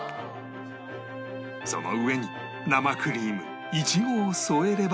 その上に生クリームいちごを添えれば